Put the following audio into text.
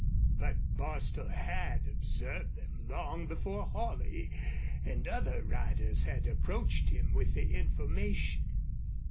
But Bostil had observed them long before Holley and other riders had approached him with the information.